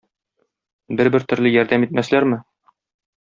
Бер-бер төрле ярдәм итмәсләрме?